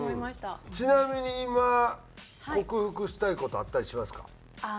ちなみに今克服したい事あったりしますか？